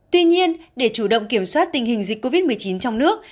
tuy nhiên để chủ động kiểm soát tình hình dịch covid một mươi chín trong nước